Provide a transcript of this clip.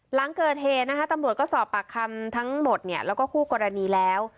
หลังเกิดเหตุนะคะตำรวจก็สอบปากคำทั้งหมดแล้วก็คู่กรณีแล้ว